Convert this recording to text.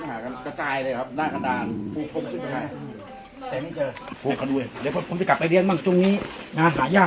แต่ครับครับเขาค้นหากันกระจายเลยครับหน้ากระดานหาแย่